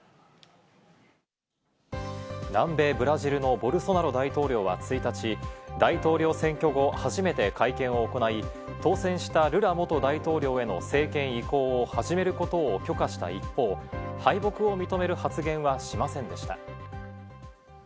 南米ブラジルのボルソナロ大統領は１日、大統領選挙後初めて会見を行い、当選したルラ元大統領への政権移行を始めることを許可した一方、敗北を認める発言はしませんでした。